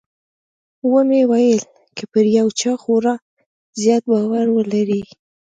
ومې ويل که پر يو چا خورا زيات باور ولرې.